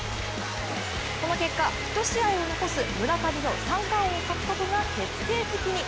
この結果、１試合を残す村上の三冠王獲得が決定的に。